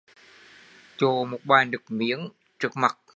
Chộ một bại nước miếng trước mặt